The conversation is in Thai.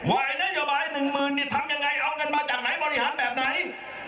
นโยบายหนึ่งหมื่นนี่ทำยังไงเอาเงินมาจากไหนบริหารแบบไหน